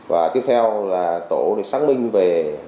và tiếp theo là tổ xác minh về